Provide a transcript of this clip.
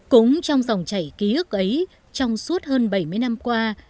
cũng trong dòng chảy ký ức ấy trong suốt hơn bảy mươi năm qua